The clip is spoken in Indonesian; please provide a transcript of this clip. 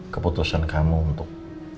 keputusan kamu untuk